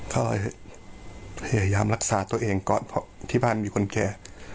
ก็พยายามรักษาตัวเองก่อนเพราะที่บ้านมีคนแก่